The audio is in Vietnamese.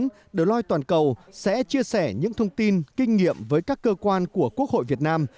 chủ tịch quốc hội mong muốn deloitte toàn cầu sẽ chia sẻ những thông tin kinh nghiệm với các cơ quan của quốc hội việt nam